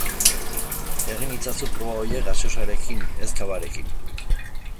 Egin itzazu proba horiek gaseosarekin ez cavarekin.